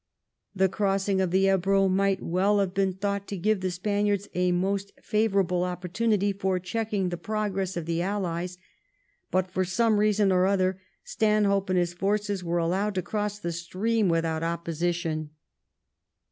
The crossing of the Ebro might well have been thought to give the Spaniards a most favourable opportunity for checking the progress of the Allies, but for some reason or other Stanhope and his forces were allowed to cross the stream without opposition.